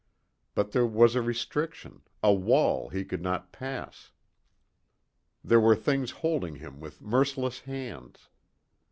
But there was a restriction, a wall he could not pass. There were things holding him with merciless hands.